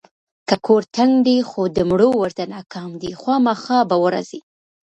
که ګور تنګ دی خو د مړو ورته ناکام دی، خوامخا به ورځي.